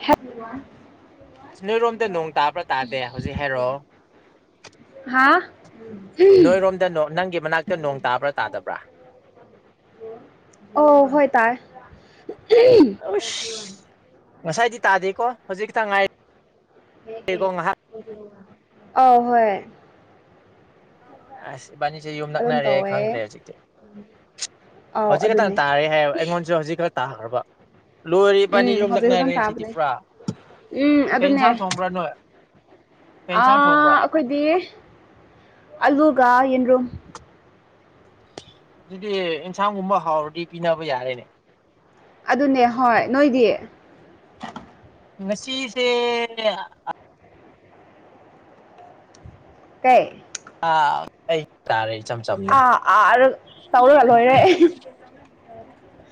ꯍꯦꯜꯂ ꯅꯣꯏꯔꯣꯝꯗ ꯅꯣꯡ ꯇꯥꯕ꯭ꯔꯥ ꯇꯥꯗꯦ ꯍꯧꯖꯤꯛ ꯍꯥꯏꯔꯛꯑꯣ ꯍꯥꯥ ꯅꯣꯏꯔꯣꯝꯗ ꯅꯪꯒꯤ ꯃꯅꯥꯛꯇ ꯅꯣꯡ ꯇꯥꯕ꯭ꯔꯥ ꯇꯥꯗꯕ꯭ꯔꯥ ꯑꯣ ꯍꯣꯏ ꯇꯥꯏ ꯉꯁꯥꯏꯗꯤ ꯇꯥꯗꯦꯀꯣ ꯍꯧꯖꯤꯛ ꯈꯤꯇꯪ ꯉꯥꯏ ꯑ ꯍꯣꯏ ꯑꯁ ꯕꯥꯅꯤꯁꯦ ꯌꯨꯝ ꯑꯗꯨꯝ ꯅꯛꯅꯔꯦ ꯇꯧꯋꯦ ꯈꯪꯈ꯭ꯔꯦ ꯍꯧꯖꯤꯛꯁꯦ ꯑꯧ ꯍꯧꯖꯤꯛ ꯑꯗꯨꯅꯦ ꯈꯛꯇ ꯇꯥꯔꯦ ꯍꯥꯏ ꯑꯩꯉꯣꯟꯁꯨ ꯍꯧꯖꯤꯛ ꯈꯛꯇ ꯇꯥꯈ꯭ꯔꯕ ꯂꯣꯏꯔꯤꯕꯅꯤ ꯎꯝ ꯍꯧꯖꯤꯛ ꯈꯛꯇꯪ ꯌꯣꯝꯗꯛꯅꯔꯦ ꯁꯤꯇꯤ ꯇꯥꯕꯅꯦ ꯄꯨꯔꯥ ꯎꯝ ꯀꯩ ꯑꯗꯨꯅꯦ ꯏꯟꯁꯥꯡ ꯊꯣꯡꯕ꯭ꯔꯥꯅꯣꯏ ꯀ ꯑꯥ ꯌꯦꯟꯁꯥꯡ ꯊꯣꯡꯕ꯭ꯔꯥ ꯑꯩꯈꯣꯏꯗꯤ ꯑꯂꯨꯒ ꯌꯦꯟꯔꯨꯝ ꯑꯗꯨꯗꯤ ꯑꯦꯟꯁꯥꯡꯒꯨꯝꯕ ꯍꯥꯎꯔꯗꯤ ꯄꯤꯅꯕ ꯌꯥꯔꯦꯅꯦ ꯑꯗꯨꯅꯦ ꯍꯣꯏ ꯅꯣꯏꯗꯤ ꯉꯁꯤꯁꯦ ꯀꯥꯏ ꯑꯥ ꯑꯩ ꯇꯥꯔꯦ ꯆꯝ ꯆꯝ ꯑꯥ ꯑꯥ ꯇꯧꯔꯒ ꯂꯣꯏꯔꯦ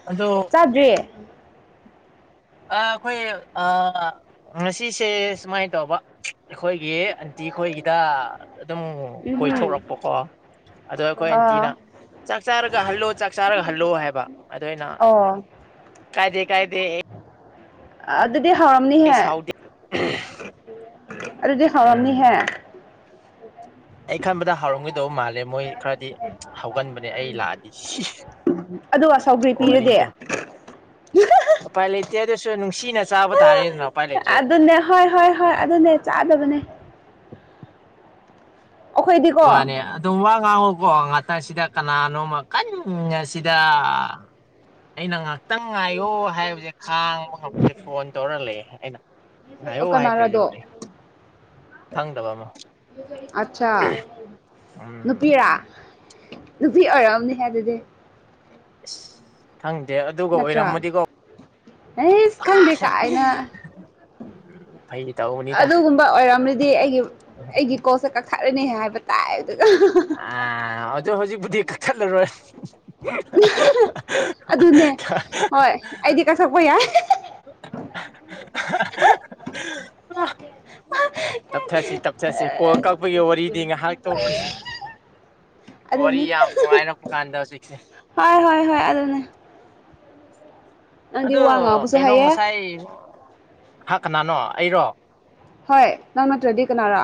ꯑꯗꯣ ꯀꯔꯤ ꯑ ꯑꯩꯈꯣꯏ ꯑ ꯉꯁꯤꯁꯦ ꯁꯨꯃꯥꯏꯅ ꯇꯧꯕ ꯑꯩꯈꯣꯏꯒꯤ ꯑꯟꯇꯤ ꯈꯣꯏꯒꯤꯗ ꯑꯗꯨꯝ ꯎꯝꯍꯨꯝ ꯀꯣꯏꯊꯂꯛꯄꯀꯣ ꯑꯗꯣ ꯑꯩꯈꯣꯏ ꯑꯥ ꯑꯦꯟꯇꯤꯅ ꯆꯥꯛ ꯆꯥꯔꯒ ꯍꯜꯂꯣ ꯆꯥꯛ ꯆꯥꯔꯒ ꯍꯜꯂꯣ ꯍꯥꯏꯕ ꯑꯗꯨꯗ ꯑꯩꯅ ꯑꯣ ꯀꯥꯏꯗꯦ ꯀꯥꯏꯗꯦ ꯑꯗꯨꯗꯤ ꯑꯩ ꯍꯥꯎꯔꯝꯅꯤꯍꯦ ꯁꯥꯎꯗꯦ ꯑꯗꯨꯗꯤ ꯎꯝ ꯍꯥꯎꯔꯝꯅꯤꯍꯦ [inaudible] ꯑꯩ ꯈꯟꯕꯗ ꯍꯥꯎꯔꯝꯈꯤꯗꯧꯕ ꯃꯥꯜꯂꯦ ꯃꯣꯏ ꯈꯔꯗꯤ ꯍꯧꯒꯟꯕꯅꯦ ꯑꯩ ꯂꯥꯛꯑꯗꯤ ꯑꯗꯨꯒ ꯁꯧꯒ꯭ꯔꯤ ꯄꯤꯔꯗꯤ ꯋꯥꯔꯤꯗꯣ ꯎꯄꯥꯏ ꯂꯩꯇꯦ ꯑꯗꯨꯁꯨ ꯅꯨꯡꯁꯤꯅ ꯆꯥꯕ ꯇꯥꯔꯦꯗꯅ ꯎꯄꯥꯏ ꯂꯩꯇ꯭ꯔꯦ ꯑꯗꯨꯅꯦ ꯍꯣꯏ ꯍꯣꯏ ꯍꯣꯏ ꯑꯗꯨꯅꯦ ꯆꯥꯗꯕꯅꯦ ꯑꯩꯈꯣꯏꯗꯤꯀꯣ ꯋꯥꯅꯦ ꯑꯗꯨꯝ ꯋꯥ ꯉꯥꯡꯉꯨꯀꯣ ꯉꯥꯛꯇꯪꯁꯤꯗ ꯀꯅꯥꯅꯣꯃ ꯀꯟ ꯑꯁꯤꯗ ꯑꯩꯅ ꯉꯥꯏꯍꯥꯛꯇꯪ ꯉꯥꯏꯌꯣ ꯍꯥꯏꯕꯁꯦ ꯈꯥꯡꯕ ꯉꯝꯦ ꯐꯣꯟ ꯇꯧꯔ ꯂꯩꯦ ꯑꯩꯅ ꯉꯥꯏꯌꯣ ꯑꯣꯀ ꯅꯔꯗꯣ ꯍꯥꯏꯈ꯭ꯔꯁꯤꯕꯨꯗꯤ ꯈꯪꯗꯕ ꯑꯃ ꯑꯆꯥ ꯎꯝ ꯅꯨꯄꯤꯤꯔ ꯅꯨꯄꯤ ꯑꯔꯝꯅꯤ ꯍꯥꯏ ꯑꯗꯨꯗꯤ [inaudible] ꯈꯪꯗꯦ ꯑꯗꯨꯒ ꯅꯠꯇ꯭ꯔꯥ ꯑꯣꯏꯔꯝꯃꯗꯤꯀꯣ ꯑꯩꯁ ꯈꯪꯗꯦ ꯀꯥꯏꯅ ꯎꯝ ꯐꯩ ꯇ ꯑꯗꯨꯒꯨꯝꯕ ꯑꯣꯏꯔꯝꯗꯤ ꯑꯩꯒꯤ ꯑꯩꯒꯤ ꯀꯣꯁꯦ ꯀꯛꯊꯠꯔꯅꯤ ꯍꯥꯏꯕ ꯇꯥꯏ ꯑꯗꯨꯒ ꯑ ꯍꯧꯖꯤꯛ ꯍꯧꯖꯤꯛꯕꯨꯗꯤ ꯀꯛ ꯈꯠꯂꯔꯣꯏ ꯑꯗꯨꯅꯦ ꯍꯣꯏ ꯑꯩꯗꯤ ꯀ ꯁꯛꯄ ꯌꯥꯏ [inaudible] ꯇꯞꯊꯁꯤ ꯇꯞꯊꯁꯤ ꯀꯣꯜ ꯀꯛꯄꯒꯤ ꯋꯥꯔꯤꯗꯤ ꯉꯥꯏꯍꯥꯛ ꯇꯣꯛꯈꯤꯁꯤ ꯋꯥꯔꯤ ꯑꯗꯨꯅꯦ ꯌꯥꯝ ꯅꯨꯡꯉꯥꯏꯅ ꯄꯨꯀꯥꯟꯗ ꯍꯧꯖꯤꯛꯁꯦ ꯍꯣꯏ ꯍꯣꯏ ꯍꯣꯏ ꯑꯗꯨꯅꯦ ꯅꯪꯗꯤ ꯑꯗꯨ ꯋꯥ ꯉꯥꯡꯕꯁꯨ ꯀꯩꯅꯣ ꯍꯩꯌꯦ ꯉꯁꯥꯏ ꯍꯥ ꯀꯅꯥꯅꯣ ꯑꯩꯔꯣ ꯍꯣꯏ ꯅꯪ ꯅꯠꯇ꯭ꯔꯗꯤ ꯀꯅꯥꯔꯥ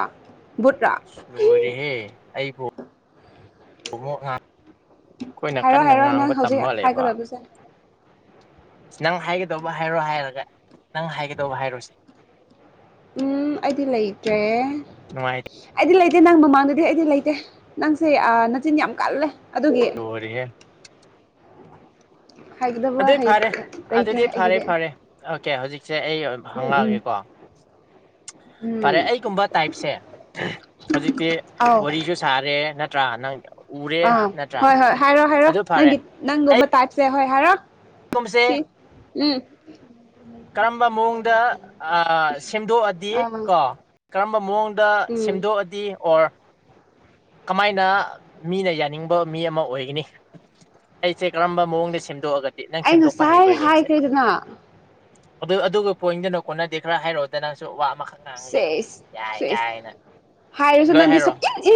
ꯕꯨꯠꯔꯥ ꯁꯔꯤꯍꯦ ꯑꯩꯕꯨꯣꯃ ꯑꯩꯈꯣꯏꯅ ꯍꯥꯏꯔꯣ ꯀꯟꯅ ꯍꯥꯏꯔꯣ ꯉꯥꯡꯕ ꯅꯪ ꯍꯧꯖꯤꯛ ꯇꯝꯕꯂꯕ ꯍꯥꯏꯒꯗꯕꯁꯦ ꯅꯪ ꯍꯥꯏꯒꯗꯧꯕ ꯍꯥꯏꯔꯣ ꯍꯥꯏꯔꯒ ꯅꯪ ꯍꯥꯏꯒꯗꯧꯕ ꯍꯥꯏꯔꯣꯁꯤꯦ ꯎꯝ ꯑꯩꯗꯤ ꯂꯩꯇ꯭ꯔꯦ ꯅꯨꯡꯉꯥꯏ ꯑꯩꯗꯤ ꯂꯩꯇꯦ ꯅꯪ ꯃꯃꯥꯡꯗꯗꯤ ꯑꯩꯗꯤ ꯂꯩꯇꯦ ꯅꯪꯁꯦ ꯅꯅꯥꯆꯤꯟ ꯌꯥꯝ ꯀꯜꯂꯦ ꯑꯗꯨꯒꯤ ꯑꯣꯏꯦ ꯍꯥꯏꯒꯗꯕ ꯑꯗꯨꯏ ꯍꯩ ꯐꯔꯦ ꯂꯩꯇ꯭ꯔꯦ ꯑꯗꯨꯗꯤ ꯐꯔꯦ ꯍꯥꯏꯈꯤꯗꯤ ꯐꯔꯦ ꯑꯣꯀꯦ ꯍꯧꯖꯤꯛꯁꯦ ꯑꯩ ꯎꯝ ꯎꯝ [inaudible] ꯍꯪꯉꯛꯑꯒꯦꯀꯣ ꯐꯔꯦ ꯑꯩꯒꯨꯝꯕ ꯇꯥꯏꯞꯁꯦ ꯍꯧꯖꯤꯛꯇꯤ ꯑꯥꯎ ꯋꯥꯔꯤꯁꯨ ꯁꯥꯔꯦ ꯅꯠꯇ꯭ꯔꯥ ꯅꯪ ꯎꯔꯦ ꯑꯥ ꯅꯠꯇ꯭ꯔꯥ ꯍꯣꯏ ꯍꯣꯏ ꯍꯥꯏꯔꯣ ꯍꯥꯏꯔꯣ ꯑꯗꯨ ꯐꯔꯦ ꯅꯪꯒꯤ ꯅꯪꯒꯨꯝꯕ ꯇꯥꯏꯞꯁꯦ ꯍꯣꯏ ꯍꯥꯏꯔꯣ ꯑꯩꯒꯨꯝꯕꯁꯦ ꯁꯤ ꯎꯝ ꯀꯔꯝꯕ ꯃꯑꯣꯡꯗ ꯁꯦꯝꯗꯣꯛꯑꯗꯤ ꯑꯥ ꯀꯣ ꯀꯔꯝꯕ ꯃꯑꯣꯡꯗ ꯎꯝ ꯁꯦꯝꯗꯣꯛꯑꯗꯤ ꯑꯣꯔ ꯀꯃꯥꯏꯅ ꯃꯤꯅ ꯌꯥꯅꯤꯡꯕ ꯃꯤ ꯑꯃ ꯑꯣꯏꯒꯅꯤ ꯑꯩꯁꯦ ꯀꯔꯝꯕ ꯃꯑꯣꯡꯗ ꯁꯦꯝꯗꯣꯛꯑꯒꯅꯤ ꯑꯩ ꯉꯁꯥꯏ ꯍꯥꯏꯈ꯭ꯔꯦꯗꯅ ꯑꯗꯨ ꯑꯗꯨꯒ ꯄꯣꯏꯟꯗꯨꯅ ꯀꯣꯟꯅꯗꯦ ꯈꯔ ꯍꯥꯏꯔꯛꯑꯣꯗ ꯅꯪꯁꯨ ꯋꯥ ꯃꯈ ꯁꯦꯁ ꯁꯦꯁ ꯍꯥꯏꯥꯏꯔꯣꯁꯨ ꯂꯣꯏ ꯅꯗꯤ ꯁ ꯍꯥꯏꯔꯛꯑꯣ ꯀ ꯏ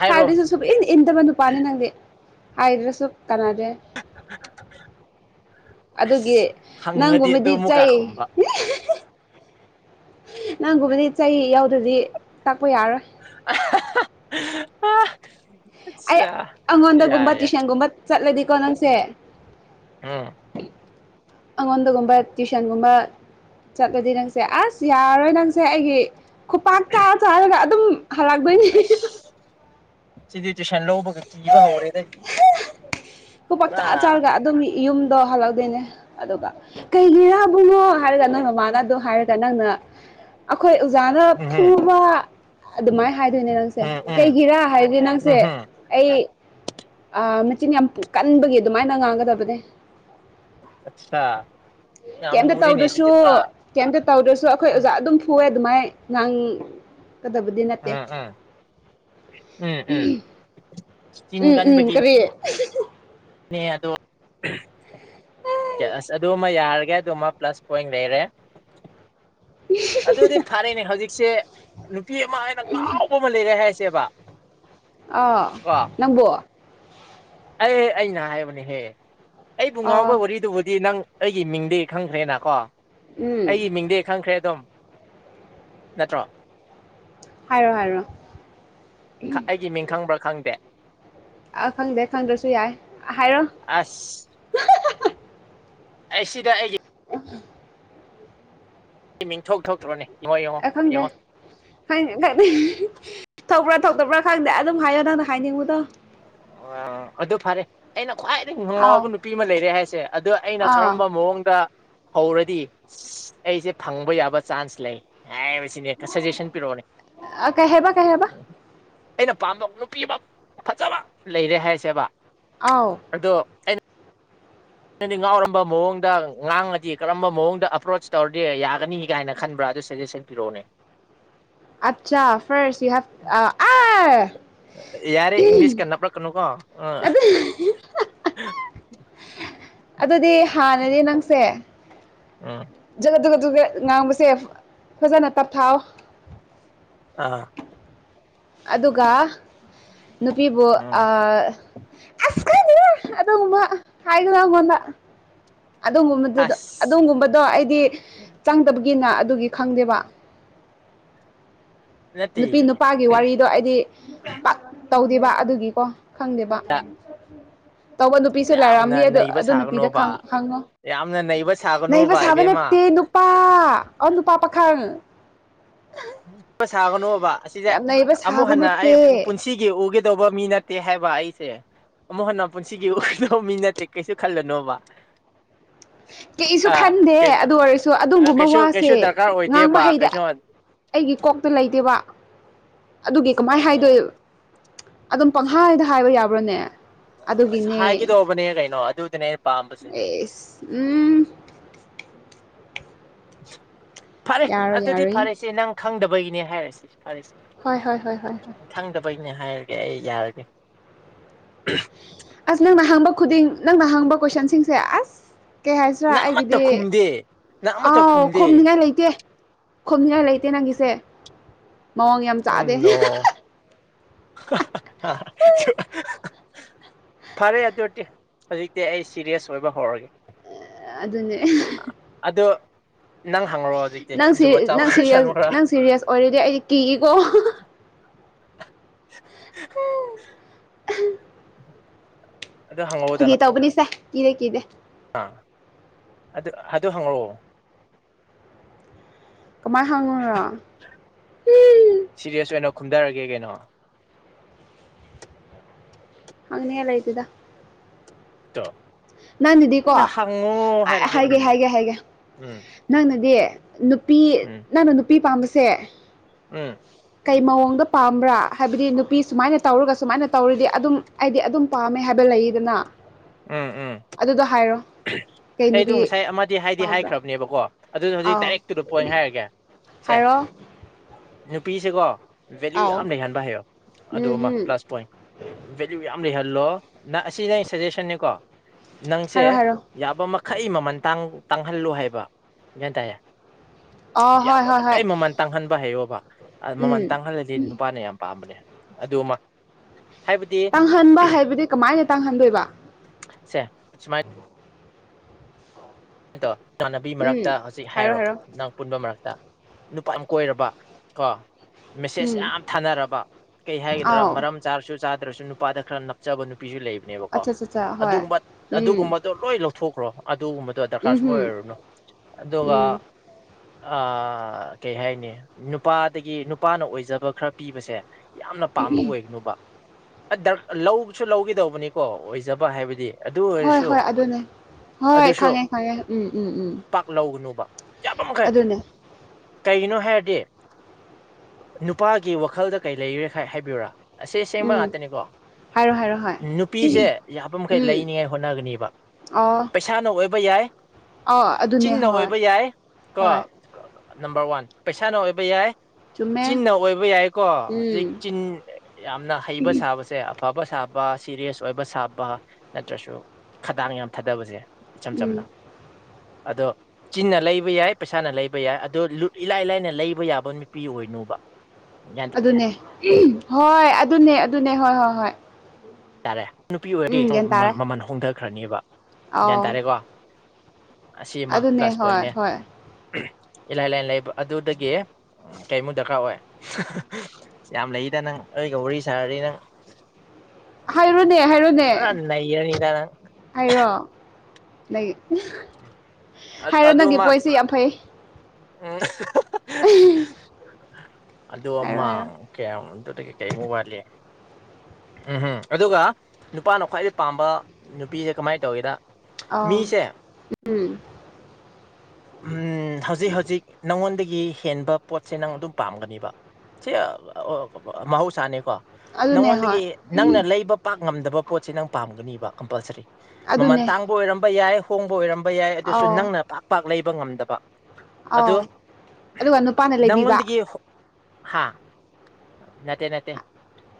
ꯍꯥꯏꯔꯣ ꯍꯥꯏꯔꯗꯤ ꯁꯨꯛ ꯏꯟ ꯏꯟꯗꯕ ꯅꯨꯄꯥꯅꯤ ꯅꯪꯗꯤ ꯍꯥꯏꯗ꯭ꯔꯁꯨ ꯀꯥꯟꯅꯗꯦ [unintelligible] ꯑꯗꯨꯒꯤ ꯑꯁ ꯍꯪꯉꯗꯤ ꯑꯗꯨ ꯅꯪꯒꯨꯝꯕꯗꯤ ꯑꯃꯨꯛꯀ ꯆꯩꯩ ꯈꯨꯝꯕ ꯅꯪꯒꯨꯝꯕꯨꯗꯤ ꯆꯩ ꯌꯥꯎꯗꯗꯤ ꯇꯥꯛꯄ ꯌꯥꯔꯣꯏ꯫ [unintelligible] ꯑꯩ ꯑꯠꯆꯥ ꯌꯥꯏ ꯑꯩꯉꯣꯟꯗꯒꯨꯝꯕ ꯌꯥꯏ ꯇꯨꯏꯁꯟꯒꯨꯝꯕ ꯆꯠꯂꯗꯤꯀꯣ ꯅꯪꯁꯦ꯫ ꯑꯥ꯫ ꯑꯩꯉꯣꯟꯗꯒꯨꯝꯕ ꯇ꯭ꯋꯁꯟꯒꯨꯝꯕ ꯆꯠꯂꯗꯤ ꯅꯪꯁꯦ ꯑꯁ ꯌꯥꯔꯔꯣꯏ ꯅꯪꯁꯦ ꯑꯩꯒꯤ ꯈꯨꯄꯥꯛ ꯆꯥꯔ ꯆꯥꯔꯒ ꯑꯗꯨꯝ ꯍꯜꯂꯛꯗꯣꯏꯅꯤ ꯑꯁ ꯁꯤꯗꯤ ꯇꯨꯏꯁꯟ ꯂꯧꯕꯒ ꯀꯤꯕ ꯍꯧꯔꯦꯗꯒꯤ ꯈꯨꯄꯥꯛ ꯆꯥ [unintelligible] ꯆꯥꯔꯒ ꯑꯗꯨꯝ ꯌꯨꯝꯗꯣ ꯍꯜꯂꯛꯗꯣꯏꯅꯦ ꯑꯗꯨꯒ ꯀꯩꯒꯤꯔꯥꯕꯨꯅꯣ ꯍꯥꯏꯔꯒ ꯅꯪ ꯃꯃꯥꯅꯗꯣ ꯍꯥꯏꯔꯒ ꯅꯪꯅ꯫ ꯑꯩꯈꯣꯏ ꯑꯣꯖꯥꯅ ꯎꯝꯍꯝ ꯐꯨꯕ꯫ ꯑꯗꯨꯃꯥꯏꯅ ꯍꯥꯏꯗꯣꯏꯅꯦ ꯅꯪꯁꯦ ꯎꯝ ꯎꯝ ꯀꯩꯒꯤꯔꯥ ꯍꯥꯏꯗꯤ ꯅꯪꯁꯦ ꯎꯝꯍꯝ ꯑꯩ ꯃꯆꯤꯟ ꯌꯥꯝ ꯀꯟꯕꯒꯤ ꯑꯗꯨꯃꯥꯏꯅ ꯉꯥꯡꯒꯗꯕꯅꯦ꯫ ꯑꯆꯥ ꯀꯩꯝꯇ ꯇꯧꯗ꯭ꯔꯁꯨ ꯀꯩꯝꯇ ꯇꯧꯗ꯭ꯔꯁꯨ ꯑꯩꯈꯣꯏ ꯎꯝ ꯑꯣꯖꯥ ꯑꯗꯨꯝ ꯐꯨꯑꯦ ꯑꯗꯨꯃꯥꯏ ꯉꯥꯡ ꯀꯗꯕꯗꯤ ꯅꯠꯇꯦ ꯎꯝ ꯎꯝ ꯎꯝ ꯆꯤꯟ ꯎꯝ ꯎꯝ ꯀꯔꯤ ꯅꯦ ꯑꯗꯣ ꯑꯁ ꯑꯗꯨꯃ ꯌꯥꯔꯒꯦ ꯑꯗꯨꯃ ꯄ꯭ꯂꯁ ꯄꯣꯏꯟ ꯂꯩꯔꯦ꯫ ꯑꯗꯨꯗꯤ ꯐꯔꯦꯅꯦ ꯍꯧꯖꯤꯛꯁꯦ꯫ ꯅꯨꯄꯤ ꯑꯃ ꯍꯥꯏꯅ ꯉꯥꯎꯕ ꯑꯃ ꯂꯩꯔꯦ ꯍꯥꯏꯁꯦꯕ꯫ ꯑꯥ ꯅꯪꯕꯣ꯫ ꯑꯦ ꯑꯩꯅ ꯍꯥꯏꯕꯅꯦꯍꯦ ꯑꯩꯕꯨ ꯑꯥ ꯉꯥꯎꯕ ꯋꯥꯔꯤꯗꯨꯕꯨꯗꯤ ꯅꯪ ꯑꯩꯒꯤ ꯃꯤꯡꯗꯤ ꯈꯪꯈ꯭ꯔꯦꯅꯀꯣ ꯎꯝ ꯑꯩꯒꯤ ꯃꯤꯡꯗꯤ ꯈꯪꯈ꯭ꯔꯦ ꯑꯗꯨꯝ꯫ ꯅꯠꯇ꯭ꯔꯣ ꯍꯥꯏꯔꯣ ꯍꯥꯏꯔꯣ ꯑꯩꯒꯤ ꯃꯤꯡ ꯈꯪꯕ꯭ꯔꯥ ꯈꯪꯗꯦ꯫ ꯑ ꯈꯪꯗꯦ ꯈꯪꯗ꯭ꯔꯁꯨ ꯌꯥꯏ ꯍꯥꯏꯔꯣ꯫ ꯑꯁ꯫ ꯑꯩꯁꯤꯗ ꯑꯩꯒꯤ꯫ [unintelligible] ꯁꯤ ꯃꯤꯡꯊꯣꯛ ꯊꯣꯛꯇ꯭ꯔꯕꯅꯦ꯫ ꯑꯦ ꯈꯪꯗꯦ꯫ ꯈꯪꯉ ꯈꯪꯅꯩ ꯊꯧꯕ꯭ꯔꯥ ꯊꯧꯗꯕ꯭ꯔꯥ ꯈꯪꯗꯦ ꯑꯗꯨꯝ ꯍꯥꯏꯌꯣ ꯅꯪꯅ ꯍꯥꯏꯅꯤꯡꯕꯗꯣ꯫ ꯑꯣ ꯑꯗꯨ ꯐꯔꯦ ꯑꯩꯅ ꯈ꯭ꯋꯥꯏꯗꯒꯤ ꯑꯥꯎ ꯉꯅꯨꯡꯉꯥꯎꯕ ꯅꯨꯄꯤ ꯑꯃ ꯂꯩꯔꯦ ꯍꯥꯏꯁꯦ ꯑꯗ ꯑꯩꯅ ꯑꯥ ꯀꯔꯝꯕ ꯃꯑꯣꯡꯗ ꯍꯧꯔꯗꯤ ꯑꯩꯁꯦ ꯐꯪꯕ ꯌꯥꯕ ꯆꯥꯟꯁ ꯂꯩ꯫ ꯍꯥꯏꯕꯁꯤꯅꯦ ꯈ ꯁꯖꯦꯁꯟ ꯄꯤꯔꯛꯑꯣꯅꯦ ꯫ ꯑꯥ ꯀꯩ ꯍꯥꯏꯕ ꯀꯩ ꯍꯥꯏꯕ ꯑꯩꯅ ꯄꯥꯝꯕ ꯅꯨꯄꯤꯃꯛ ꯐꯖꯕ ꯂꯩꯔꯦ ꯍꯥꯏꯁꯦꯕ꯫ ꯑꯥꯎ꯫ ꯑꯗꯣ꯫ ꯅꯗꯤ ꯉꯥꯎꯔꯝꯕ ꯃꯑꯣꯡꯗ ꯉꯥꯡꯉꯗꯤ ꯀꯔꯝꯕ ꯃꯑꯣꯡꯗ ꯑꯄ꯭ꯔꯣꯆ ꯇꯧꯔꯗꯤ ꯌꯥꯒꯅꯤ ꯀꯥꯏꯅ ꯈꯟꯕ꯭ꯔꯥ ꯑꯗꯨ ꯁꯖꯦꯁꯟ ꯄꯤꯔꯛꯑꯣꯅꯦ꯫ ꯑꯆꯥ ꯐ꯭ꯔꯁ ꯌꯨ ꯍꯦꯄ ꯑ [unintelligible] ꯌꯥꯔꯦ ꯏꯪꯂꯤꯁ ꯀ ꯅ ꯄꯂꯛꯀꯅꯨꯀꯣ ꯑꯥ ꯑꯗꯨ ꯑꯗꯨꯗꯤ ꯍꯥꯟꯅꯗꯤ ꯅꯪꯁꯦ꯫ ꯎꯝ ꯖ [unintelligible] ꯗꯨ ꯉꯥꯡꯕꯁꯦ ꯐꯖꯅ ꯇꯞꯊꯥꯎ ꯑꯥ꯫ ꯑꯗꯨꯒ ꯅꯨꯄꯤꯕꯨ ꯑ ꯎꯝ ꯑꯁ [unintelligible] ꯑꯗꯨꯝꯕ ꯍꯥꯏꯒꯅꯣ ꯑꯩꯎꯟꯗ꯫ ꯑꯗꯨꯒꯕꯗꯨꯗ ꯑꯁ ꯑꯗꯨꯒꯨꯝꯕꯗꯣ ꯑꯩꯗꯤ ꯆꯪꯗꯕꯒꯤꯅ ꯑꯗꯨꯒꯤ ꯈꯪꯗꯦꯕ꯫ ꯅꯠꯇꯦ ꯅꯨꯄꯤ ꯅꯨꯄꯥꯒꯤ ꯋꯥꯔꯤꯗꯣ ꯑꯩꯗꯤ ꯄꯥꯛ ꯇꯧꯗꯦꯕ ꯑꯗꯨꯒꯤꯀꯣ ꯈꯪꯗꯦꯕ ꯇꯧꯕ ꯅꯨꯄꯤꯁꯨ ꯌꯥꯝꯅ ꯂꯩꯔꯛꯑꯝꯅꯤ ꯑꯗꯨ ꯅꯩꯕ ꯑꯗꯨ ꯅꯨꯄꯤꯗ ꯁꯥꯒꯅꯣꯕ ꯈꯪ ꯍꯪꯉꯣ ꯌꯥꯝꯅ ꯅꯩꯕ ꯁꯥꯒꯅꯨꯕ ꯏꯕꯦꯝꯃ ꯄꯥ ꯑꯣ ꯅꯨꯄꯥ ꯄꯥꯈꯪ [unintelligible] ꯄ ꯁꯥꯒꯅꯣꯕ ꯑꯁꯤꯁꯦ ꯌꯥꯝ ꯅꯩꯕ ꯑꯃꯨꯛ ꯁꯥꯕ ꯍꯟꯅ ꯑꯩ ꯅꯠꯇꯦ ꯄꯨꯟꯁꯤ ꯁꯤꯒꯤ ꯎꯒꯦꯗꯧꯕ ꯃꯤ ꯅꯠꯇꯦ ꯍꯥꯏꯕ ꯑꯩꯁꯦ ꯑꯃꯨꯛ ꯍꯟꯅ ꯄꯨꯟꯁꯤꯒꯤ ꯎꯒꯗꯧꯕ ꯃꯤ ꯅꯠꯇꯦ ꯀꯩꯁꯨ ꯈꯜꯂꯅꯣꯕ [unintelligible] ꯀꯩꯁꯨ ꯑ ꯈꯟꯗꯦ ꯀꯩꯅꯣ ꯑꯗꯨ ꯑꯣꯏꯔꯁꯨ ꯑꯗꯨꯒꯨꯝꯕ ꯀꯩꯁꯨ ꯋꯥꯁꯦ ꯀꯩꯁꯨ ꯗꯔꯀꯥꯔ ꯉꯥꯡꯕ ꯑꯣꯏꯗꯦꯕ ꯍꯩꯗꯦ__ ꯀꯩꯅꯣ ꯑꯩꯒꯤ ꯀꯣꯛꯇ ꯂꯩꯇꯦꯕ ꯑꯗꯨꯒꯤ ꯀꯃꯥꯏꯅ ꯍꯥꯏꯗꯣꯏ ꯑꯗꯨꯝ ꯄꯪꯍꯥꯏꯗ ꯍꯥꯏꯕ ꯌꯥꯕ꯭ꯔꯣꯅꯦ ꯑꯁ ꯍꯥꯏꯒꯤꯗꯧꯕꯅꯦ ꯀꯩꯅꯣ ꯑꯗꯨꯗꯨꯅꯦ ꯑꯩꯅ ꯄꯥꯝꯕꯁꯦ ꯑꯦꯁ ꯎꯝ ꯐꯔꯦ ꯌꯥꯔꯣꯏ ꯑꯗꯨꯗꯤ ꯌꯥꯔꯣꯏ ꯐꯔꯦꯁꯦ ꯅꯪ ꯈꯪꯗꯕꯒꯤꯅꯦ ꯍꯥꯏꯔꯁꯤ ꯐꯔꯦꯁꯦ ꯍꯣꯏ ꯍꯣꯏ ꯍꯣꯏ ꯍꯣꯏ ꯍꯣꯏ ꯈꯪꯗꯕꯩꯅꯦ ꯍꯥꯏꯔꯒꯦ ꯑꯩ ꯌꯥꯔꯒꯦ ꯑꯁ ꯅꯪꯅ ꯍꯪꯕ ꯈꯨꯗꯤꯡ ꯅꯪꯅ ꯍꯪꯕ ꯀꯣꯏꯁꯟꯁꯤꯡꯁꯦ ꯑꯁ ꯀꯩ ꯍꯥꯏꯁꯤꯔꯥ ꯅꯪ ꯑꯃꯠꯇ ꯑꯩꯒꯤꯗꯤ ꯈꯨꯝꯗꯦ ꯅꯪ ꯑꯃꯠꯇ ꯑꯥꯎ ꯈꯨꯝꯗꯦ ꯈꯨꯝꯅꯤꯉꯥꯏ ꯂꯩꯇꯦ ꯈꯨꯝꯅꯤꯡꯉꯥꯏ ꯂꯩꯇꯦ ꯅꯪꯒꯤꯁꯦ ꯃꯑꯣꯡ ꯌꯥꯝ ꯑꯣ ꯆꯥꯗꯦ ꯅꯣ [unintelligible] ꯐꯔꯦ ꯑꯗꯨꯗꯤ ꯍꯧꯖꯤꯛꯇꯤ ꯑꯩ ꯁ‌ꯤꯔꯤꯌ‌ꯦꯁ ꯑꯣꯏꯕ ꯍꯧꯔꯒꯦ ꯑꯥ ꯑꯗꯨꯅꯦ ꯑꯗ‌ꯣ ꯅꯪ ꯍꯪꯔ‌ꯣ ꯍꯧꯖꯤꯛꯇꯤ ꯅꯪ ꯖꯨꯒꯣꯠ ꯆꯥꯕ ꯅꯪ ꯀ‌ꯣꯏꯁꯟ ꯁꯤꯔꯤꯌꯁ ꯈꯔ ꯅꯪ ꯁꯤꯔꯤꯌꯁ ꯑꯣꯏꯔꯗꯤ ꯑꯩ ꯀꯤꯀꯣ [inaudible] ꯑꯗꯨ ꯐꯒꯤ ꯇꯧꯕꯅꯤꯁꯦ ꯀꯤꯔ ꯀꯤ ꯑꯥ ꯑꯗꯨ ꯑꯗꯨ ꯍꯪꯉꯛꯑꯣ ꯀꯃꯥꯏ ꯍꯪꯉꯣꯔ ꯁꯤꯔꯤꯌ‌ꯦꯁ ꯑꯣꯏꯅ ꯈꯨꯝꯊꯔꯒꯦ ꯀꯩꯅꯣ ꯍꯪꯅꯤꯉꯥꯏ ꯂꯩꯇ‌ꯦꯗ [unintelligible] ꯅꯪꯅꯗꯤꯀꯣ ꯑꯩꯅ ꯍꯪꯉꯣ ꯍꯥꯏꯔꯗꯤ ꯍꯥꯏꯒꯦ ꯎꯝ ꯍꯥꯏꯒꯦ ꯍꯥꯏꯒꯦ ꯎꯝ ꯅꯪꯅꯗꯤ ꯅꯨꯄꯤ ꯎꯝ ꯅꯪꯅ ꯅꯨꯄꯤ ꯄꯥꯝꯕꯁꯦ ꯎꯝ ꯀꯩ ꯃꯑꯣꯡꯗ ꯄꯥꯝꯕ꯭ꯔꯥ ꯍꯥꯏꯕꯗꯤ ꯅꯨꯄꯤ ꯁꯨꯃꯥꯏꯅ ꯇꯧꯔꯒ ꯁꯨꯃꯥꯏꯅ ꯇꯧꯔꯗꯤ ꯑꯗꯨꯝ ꯍꯥꯏꯗꯤ ꯑꯗꯨꯝ ꯄꯥꯝꯃꯦ ꯍꯥꯏꯕ ꯂꯩꯌ‌ꯦꯗꯅ ꯎꯝ ꯎꯝ ꯑꯗꯨꯗꯣ ꯍꯥꯏꯔꯣ ꯀꯩ ꯑꯩꯗꯣ ꯅꯨꯄꯤ ꯉꯁꯥꯏ ꯑꯃꯗꯤ ꯍꯥꯏꯗꯤ ꯄꯥꯝꯕ꯭ꯔꯥ ꯍꯥꯏꯈ꯭ꯔꯕꯅꯦꯕꯀꯣ ꯑꯗꯨ ꯍꯧꯖꯤꯛ ꯑꯥꯎ ꯗꯥꯏꯔꯦꯛꯇꯨꯗ ꯄꯣꯏꯟ ꯍꯥꯏꯔꯒꯦ ꯁꯦ ꯍꯥꯏꯔꯣ ꯅꯨꯄꯤꯁꯦꯀꯣ ꯚꯦꯂꯌꯨ ꯑꯥꯎ ꯌꯥꯝ ꯂꯩꯍꯟꯕ ꯍꯥꯏꯌꯣ ꯑꯗꯨ ꯎꯝ ꯑꯃ ꯍꯝ ꯄ꯭ꯂꯁ ꯄꯣꯏ ꯚꯦꯂꯨ ꯌꯥꯝ ꯂꯩꯍꯜꯂꯣ ꯅ ꯑꯁꯤꯗꯤ ꯑꯩ ꯁꯖꯦꯁꯟꯅꯤꯀꯣ ꯅꯪꯁꯦ ꯍꯥꯏꯔꯣ ꯍꯥꯏꯔꯣ ꯌꯥꯕ ꯃꯈꯩ ꯃꯃꯜ ꯇꯥꯡꯍꯜꯂꯨ ꯍꯥꯏꯕ ꯒ꯭ꯌꯥꯟ ꯇꯥꯏꯅ [inaudible] ꯌꯥꯕ ꯍꯣꯏ ꯍꯣꯏ ꯃꯈꯩ ꯃꯃꯜ ꯇꯥꯡꯍꯟꯕ ꯍꯩꯌꯣꯕ ꯃꯃꯜ ꯎꯝ ꯇꯥꯡꯍꯜꯂꯗꯤ ꯅꯨꯄꯥꯅ ꯌꯥꯝ ꯄꯥꯝꯕꯅꯦ꯫ ꯑꯗꯨꯃ ꯍꯥꯏꯕꯗꯤ ꯇꯥꯡꯍꯟꯕ ꯍꯥꯏꯕꯗꯤ ꯀꯃꯥꯏꯅ ꯇꯥꯡꯍꯟꯗꯣꯏꯕ? ꯁꯦ ꯁꯨꯃꯥꯏ ꯗꯣ ꯏꯃꯥꯟꯅꯕꯤ ꯃꯔꯛꯇ ꯍꯧꯖꯤꯛ ꯍꯥꯏꯔꯣ ꯄꯨꯟꯕ ꯃꯔꯛꯇ ꯅꯨꯄꯥ ꯌꯥꯝ ꯀꯣꯏꯔꯕ ꯀꯣ ꯃꯦꯁꯦꯁ ꯎꯝ ꯌꯥꯝ ꯊꯥꯅꯔꯕ ꯀꯩ ꯍꯥꯏꯒꯗ꯭ꯔꯥ ꯑꯥꯎ ꯃꯔꯝ ꯆꯥꯔꯁꯨ ꯆꯥꯗ꯭ꯔꯁꯨ ꯅꯨꯄꯥꯗ ꯈꯔ ꯅꯞꯆꯕ ꯅꯨꯄꯤꯁꯨ ꯂꯩꯕꯅꯦꯕꯀꯣ ꯑꯠꯆꯥ ꯆꯥ ꯆꯥ ꯍꯣꯏ ꯑꯗꯨꯒꯨꯝꯕ ꯎꯝ ꯑꯗꯨꯒꯨꯝꯕꯗꯨ ꯂꯣꯏ ꯂꯧꯊꯣꯛꯈ꯭ꯔꯣ ꯑꯗꯨꯒꯨꯝꯕꯗꯣ ꯎꯝ ꯗꯔꯀꯥꯔꯁꯨꯡꯑꯣꯏ ꯍꯨꯝ ꯑꯣꯏꯔꯨꯅꯨ ꯑꯗꯨꯒ ꯎꯝ ꯑ ꯀꯩ ꯍꯥꯏꯅꯤ ꯅꯨꯄꯥꯗꯒꯤ ꯅꯨꯄꯥꯅ ꯑꯣꯏꯖꯕ ꯈꯔ ꯄꯤꯕꯁꯦ ꯌꯥꯝꯅ ꯄꯥꯝꯕ ꯑꯣꯏꯒꯅꯨꯕ ꯗꯔ ꯂꯧꯁꯨ ꯂꯧꯒꯗꯧꯕꯅꯤꯀꯣ ꯑꯣꯏꯖꯕ ꯍꯥꯏꯕꯗꯤ ꯑꯗꯨ ꯍꯣꯏ ꯑꯣꯏꯔꯁꯨ ꯍꯣꯏ ꯑꯗꯨꯅꯦ ꯍꯣꯏ ꯑꯗꯨꯁꯨ ꯈꯪꯉꯦ ꯈꯪꯉꯦ ꯎꯝ ꯎꯝ ꯎꯝ ꯄꯥꯛ ꯂꯧꯒꯅꯨꯕ ꯌꯥꯕ ꯃꯈꯩ ꯑꯗꯨꯅꯦ ꯀꯒꯤꯅꯣ ꯍꯥꯏꯔꯗꯤ ꯅꯨꯄꯥꯒꯤ ꯋꯥꯈꯜꯗ ꯀꯩ ꯂꯩꯔꯦ ꯍꯥꯏꯕꯤꯌꯨꯔꯥ ꯑꯁꯤ ꯑꯁꯦꯡꯕ ꯎꯝ ꯉꯥꯛꯇꯅꯤꯀꯣ ꯍꯥꯏꯔꯣ ꯍꯥꯏꯔꯣ ꯍꯣꯏ ꯅꯨꯄꯤꯁꯦ ꯌꯥꯕ ꯃꯈꯩ ꯎꯝ ꯂꯩꯅꯤꯉꯥꯏ ꯍꯣꯠꯅꯒꯅꯤꯕ ꯑꯣ ꯄꯩꯁꯥ ꯏꯁꯥꯅ ꯑꯣꯏꯕ ꯌꯥꯏ ꯑꯣ ꯑꯗꯨꯅꯦ ꯆꯤꯟꯅ ꯍꯣꯏ ꯑꯣꯏꯕ ꯌꯥꯏ ꯀꯣ ꯍꯣꯏ ꯅꯝꯕꯔ ꯋꯥꯟ ꯄꯩꯁꯥꯅ ꯑꯣꯏꯕ ꯌꯥꯏ ꯆꯨꯝꯃꯦ ꯆꯤꯟꯅ ꯑꯣꯏꯕ ꯌꯥꯏꯀꯣ ꯍꯧꯖꯤꯛ ꯎꯝ ꯆꯤꯟ ꯌꯥꯝꯅ ꯍꯩꯕ ꯁꯥꯕꯁꯦ ꯐꯕ ꯁꯥꯕ ꯁꯤꯔꯤꯌꯁ ꯑꯣꯏꯕ ꯁꯥꯕ ꯅꯠꯇ꯭ꯔꯁꯨ ꯈꯗꯥꯡ ꯌꯥꯝ ꯊꯥꯗꯕꯁꯦ ꯏꯆꯝ ꯆꯝꯅ ꯎꯝ ꯑꯗꯣ ꯆꯤꯟꯅ ꯂꯩꯕ ꯌꯥꯏ ꯄꯩꯁꯥꯅ ꯂꯩꯕ ꯌꯥꯏ ꯑꯗꯣ ꯏꯂꯥꯏ ꯂꯥꯏꯅ ꯂꯩꯕ ꯌꯥꯕ ꯅꯨꯄꯤ ꯑꯣꯏꯅ ꯎꯕ [unintelligible] ꯑꯗꯨꯅꯦ ꯍꯣꯏ ꯑꯗꯨꯅꯦ ꯑꯗꯨꯅꯦ ꯍꯣꯏ ꯍꯣꯏ ꯍꯣꯏ ꯇꯥꯔꯦ ꯅꯨꯄꯤ ꯑꯣꯏꯔꯗꯤ ꯎꯝ ꯒ꯭ꯌꯥꯟ ꯇꯥꯔꯦ ꯃꯃꯜ ꯍꯣꯡꯊꯈ꯭ꯔꯅꯤꯕ ꯒ꯭ꯌꯥꯟ ꯑꯧ ꯇꯥꯔꯦꯀꯣ ꯑꯁꯤ ꯑꯃ ꯑꯗꯨꯅꯦ ꯄ꯭ꯂꯁ ꯍꯣꯏ ꯄꯣꯏꯟꯅꯦ ꯍꯣꯏ ꯏꯂꯥꯏ ꯂꯥꯏ ꯂꯩꯕ ꯑꯗꯨꯗꯒꯤ ꯀꯩꯃꯨꯛ ꯗꯔꯀꯥꯔ ꯑꯣꯏ ꯌꯥꯝ ꯂꯩꯗ ꯅꯪ ꯑꯩꯒ ꯋꯥꯔꯤ ꯁꯥꯔꯗꯤ ꯅꯪ ꯍꯥꯏꯔꯣꯅꯦ ꯍꯥꯏ ꯍꯥꯏꯔꯣꯅꯦ ꯄꯨꯔꯥ ꯅꯩꯔꯅꯤꯗ ꯅꯪ ꯍꯥꯏꯔꯣ ꯂꯩ ꯑꯗꯨꯃ ꯎꯝ [unintelligible] ꯑꯗꯨ ꯍꯥꯏꯔꯣ ꯑꯃ ꯍꯥꯏꯔꯣ ꯀꯌꯥꯝ ꯑꯗꯨꯗꯒꯤ ꯀꯩꯃꯨꯛ ꯋꯥꯠꯂꯤ ꯎꯝꯍꯝ ꯑꯗꯨꯒ ꯅꯨꯄꯥꯅ ꯈ꯭ꯋꯥꯏꯗꯩ ꯄꯥꯝꯕ ꯅꯨꯄꯤꯁꯦ ꯀꯃꯥꯏꯅ ꯇꯧꯒꯦꯗ ꯑꯧ ꯃꯤꯁꯦ ꯎꯝ ꯎꯝ ꯍꯧꯖꯤꯛ ꯍꯧꯖꯤꯛ ꯅꯪꯉꯣꯟꯗꯒꯤ ꯍꯦꯟꯕ ꯄꯣꯠꯁꯦ ꯅꯪ ꯑꯗꯨꯝ ꯄꯥꯝꯒꯅꯤꯕ ꯁꯤ ꯑ ꯃꯍꯧꯁꯥꯅꯤꯀꯣ ꯑꯗꯨꯅꯦ ꯅꯪꯉꯣꯟꯗꯒꯤ ꯍꯣꯏ ꯅꯪꯅ ꯂꯩꯕ ꯄꯥꯛ ꯉꯝꯗꯕ ꯄꯣꯠꯁꯤ ꯅꯪ ꯄꯥꯝꯒꯅꯤꯕ ꯀꯝꯄꯜꯁꯔꯤ ꯃꯃꯜ ꯑꯗꯨꯅꯦ ꯇꯥꯡꯕ ꯑꯣꯏꯔꯝꯕ ꯌꯥꯏ ꯍꯣꯡꯕ ꯑꯣꯏꯔꯝꯕ ꯌꯥꯏ ꯑꯗꯨꯁꯨ ꯑꯧ ꯅꯪꯅ ꯄꯥꯛ ꯄꯥꯛ ꯂꯩꯕ ꯉꯝꯗꯕ ꯑꯗꯨ ꯑꯧ ꯑꯗꯨꯒ ꯅꯨꯄꯥꯅ ꯂꯩꯕꯤꯕ ꯅꯪꯉꯣꯟꯗꯒꯤ ꯍꯥ ꯅꯠꯇꯦ ꯅꯠꯇꯦ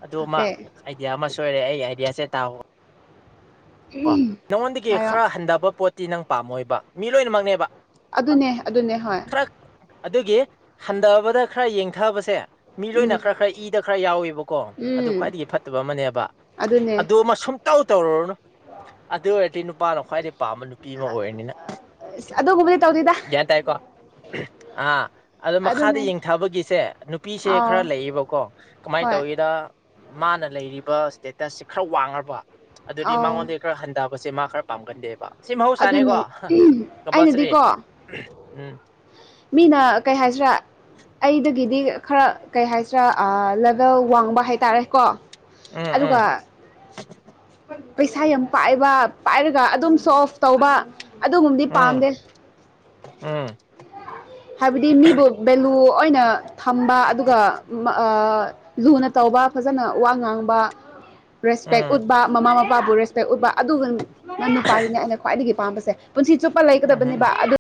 ꯑꯗꯨꯃꯥ ꯀꯩ ꯑꯥꯏꯗꯤꯌꯥ ꯑꯃ ꯁꯣꯏꯔꯦ ꯑꯩ ꯑꯥꯏꯗꯤꯌꯥꯁꯦ ꯇꯥꯎ ꯀꯣ ꯅꯉꯣꯟꯗꯒꯤ ꯍꯥꯏꯔꯣ ꯈꯔ ꯍꯟꯊꯕ ꯄꯣꯠꯇꯤ ꯅꯪ ꯄꯥꯝꯃꯣꯏꯕ ꯃꯤ ꯂꯣꯏꯅꯃꯛꯅꯦꯕ ꯑꯗꯨꯅꯦ ꯑꯗꯨꯅꯦ ꯍꯣꯏ ꯈꯔ ꯑꯗꯨꯒꯤ ꯍꯟꯗꯕꯗ ꯈꯔ ꯌꯦꯡꯊꯕꯁꯦ ꯃꯤ ꯂꯣꯏꯅ ꯎꯝ ꯈꯔ ꯈꯔ ꯏꯗ ꯈꯔ ꯌꯥꯎꯋꯦꯕꯀꯣ ꯑꯗꯨ ꯎꯝ ꯈ꯭ꯋꯥꯏꯗꯒꯤ ꯐꯠꯇꯕ ꯑꯃꯅꯦꯕ ꯑꯗꯨꯅꯦ ꯑꯗꯨꯃ ꯁꯨꯡꯇꯧ ꯇꯧꯔꯨꯔꯅꯨ ꯑꯗꯨ ꯑꯣꯏꯔꯗꯤ ꯅꯨꯄꯥꯅ ꯈ꯭ꯋꯥꯏꯗꯩ ꯄꯥꯝꯕ ꯅꯨꯄꯤ ꯑꯃ ꯑꯣꯏꯔꯅꯤ ꯅꯪ ꯑꯁ ꯑꯗꯨꯒꯨꯝꯕꯗꯤ ꯇꯧꯗꯦꯗ ꯒ꯭ꯌꯥꯟ ꯇꯥꯏꯀꯣ ꯑꯥ ꯑꯗ ꯃꯈꯥꯗ ꯑꯗꯨꯅꯦ ꯌꯦꯡꯊꯕꯒꯤꯁꯦ ꯅꯨꯄꯤꯁꯦ ꯑꯥꯎ ꯈꯔ ꯂꯩꯌꯦꯕꯀꯣ ꯀꯃꯥꯏꯟ ꯍꯣꯏ ꯇꯧꯏꯗ ꯃꯥꯅ ꯂꯩꯔꯤꯕ ꯏꯁꯇꯦꯇꯁꯁꯤ ꯈꯔ ꯋꯥꯡꯉ꯭ꯔꯕ ꯑꯗꯨꯗꯤ ꯑꯥꯎ ꯃꯉꯣꯟ ꯈꯔ ꯍꯟꯗꯕꯁꯦ ꯃꯥ ꯈꯔ ꯄꯥꯝꯒꯟꯗꯦꯕ ꯁꯤ ꯑꯗꯨꯅꯦ ꯃꯍꯧꯁꯥꯅꯦꯒꯣ ꯀꯝꯄꯜꯁꯔꯤ ꯑꯩꯅꯗꯤꯀꯣ ꯎꯝ ꯃꯤꯅ ꯀꯩ ꯍꯥꯏꯁꯤꯔꯥ ꯑꯩꯗꯒꯤꯗꯤ ꯈꯔ ꯀꯩ ꯍꯥꯏꯁꯤꯔꯥ ꯑ ꯂꯕ ꯗ ꯋꯥꯡꯕ ꯍꯥꯏꯇꯥꯔꯦꯀꯣ ꯎꯝ ꯎꯝ ꯑꯗꯨꯒ ꯄꯩꯁꯥ ꯌꯥꯝ ꯄꯥꯏꯕ ꯄꯥꯏꯔꯒ ꯑꯗꯨꯝ ꯁꯣ ꯑꯣꯞ ꯇꯧꯕ ꯑꯗꯨꯒꯨꯝꯗꯤ ꯎꯝ ꯄꯥꯝꯗꯦ ꯎꯝ ꯍꯥꯏꯕꯗꯤ ꯃꯤꯕꯨ ꯚꯦꯂꯨ ꯑꯣꯏꯅ ꯊꯝꯕ ꯑꯗꯨꯒ ꯃ ꯑ ꯂꯨꯅ ꯇꯧꯕ ꯐꯖꯅ ꯋꯥ ꯉꯥꯡꯕ ꯔꯦꯁꯄꯦꯛ ꯎꯝ ꯎꯠꯕ ꯃꯃꯥ ꯃꯄꯥꯕꯨ ꯔꯦꯁꯄꯦꯛ ꯎꯠꯄ ꯑꯗꯨꯒꯪ ꯅꯪ ꯅꯨꯄꯥꯗꯨꯅꯦ ꯑꯩꯅ ꯈ꯭ꯋꯥꯏꯗꯒꯤ ꯄꯥꯝꯕꯁꯦ ꯄꯨꯟꯁꯤ ꯆꯨꯞꯄ ꯎꯝ ꯎꯝ ꯂꯩꯒꯗꯕꯅꯦꯕ ꯑꯗꯨ